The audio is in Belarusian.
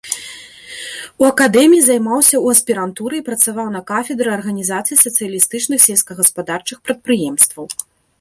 У акадэміі займаўся ў аспірантуры і працаваў на кафедры арганізацыі сацыялістычных сельскагаспадарчых прадпрыемстваў.